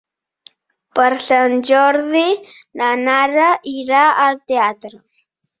Per Sant Jordi na Nara irà al teatre.